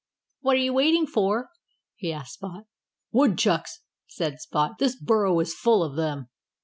"What are you waiting for?" he asked Spot. "Woodchucks!" said Spot. "This burrow is full of them."